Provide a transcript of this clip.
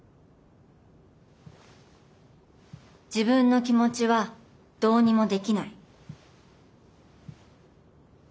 自分の気持ちはどうにもできない。